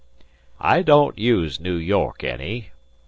"I don't use Noo York any.